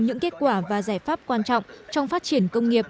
những kết quả và giải pháp quan trọng trong phát triển công nghiệp